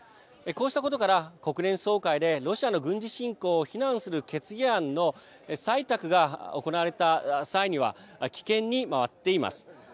こうしたことから国連総会でロシアの軍事侵攻を非難する決議案の採択が行われた際には棄権に回っています。